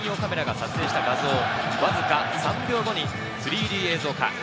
史上最大規模９８台の専用カメラが撮影した画像をわずか３秒後に３Ｄ映像化。